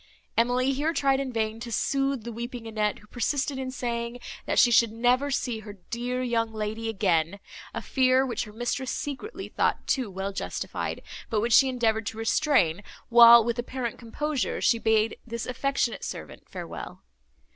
Emily here tried in vain to sooth the weeping Annette, who persisted in saying, that she should never see her dear young lady again; a fear, which her mistress secretly thought too well justified, but which she endeavoured to restrain, while, with apparent composure, she bade this affectionate servant farewell.